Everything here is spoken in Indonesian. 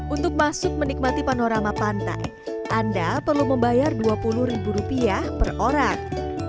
untuk masuk menikmati panorama pantai anda perlu membayar rp dua puluh per orang